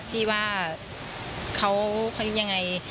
ที่ว่าเขายังไง